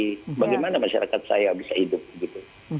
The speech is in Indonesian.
jadi bagaimana masyarakat saya bisa hidup gitu